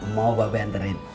mau bapak anterin